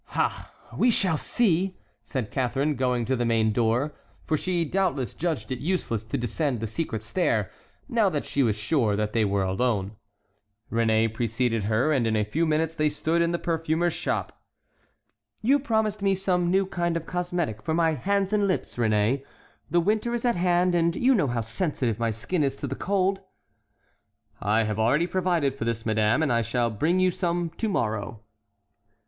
"Ha! we shall see," said Catharine, going to the main door, for she doubtless judged it useless to descend the secret stair, now that she was sure that they were alone. Réné preceded her, and in a few minutes they stood in the perfumer's shop. "You promised me some new kind of cosmetic for my hands and lips, Réné; the winter is at hand and you know how sensitive my skin is to the cold." "I have already provided for this, madame; and I shall bring you some to morrow."